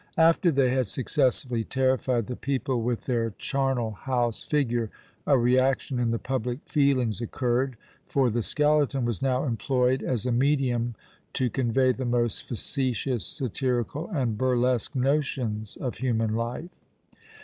After they had successfully terrified the people with their charnel house figure, a reaction in the public feelings occurred, for the skeleton was now employed as a medium to convey the most facetious, satirical, and burlesque notions of human life.